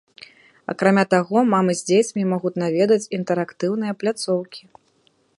Акрамя таго, мамы з дзецьмі могуць наведаць інтэрактыўныя пляцоўкі.